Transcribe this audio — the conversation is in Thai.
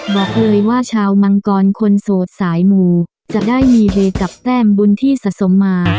บอกเลยว่าชาวมังกรคนโสดสายหมู่จะได้มีเฮกับแต้มบุญที่สะสมมา